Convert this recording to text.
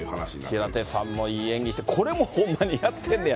平手さんもいい演技して、これもほんまにやってんねや。